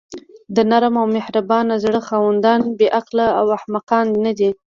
د نرم او مهربانه زړه خاوندان بې عقله او احمقان ندي.